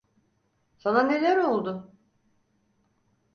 Sana neler oldu?